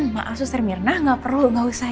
maaf sosir mirna gak perlu gak usah